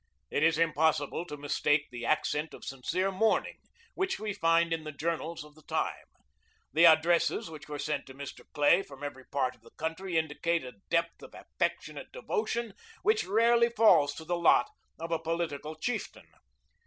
It is impossible to mistake the accent of sincere mourning which we find in the journals of the time. The addresses which were sent to Mr. Clay from every part of the country indicate a depth of affectionate devotion which rarely falls to the lot of a political chieftain.